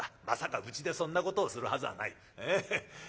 まさかうちでそんなことをするはずはない。